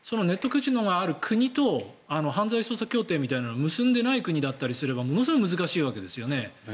カジノのある国と犯罪捜査協定みたいなのを結んでいない国だったとしたらものすごい難しいわけですよね。